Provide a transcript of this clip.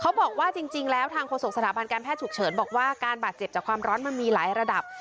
เขาบอกว่าจริงแล้วทางโฆษกสถาบันการแพทย์ฉุกเฉินบอกว่าการบาดเจ็บจากความร้อนมันมีหลายระดับ